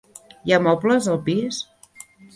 Hi ha mobles al pis?